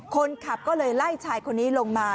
คนขับก็เลยไล่ชายคนนี้ลงมา